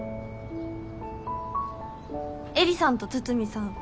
絵里さんと筒見さん